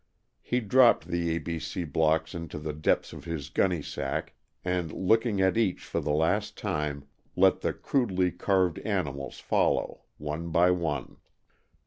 He dropped the A. B. C. blocks into the depths of his gunny sack and, looking at each for the last time, let the crudely carved animals follow, one by one.